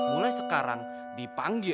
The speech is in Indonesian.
mulai sekarang dipanggil